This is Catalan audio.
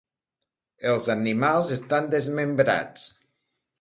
Els animals estan desmembrats.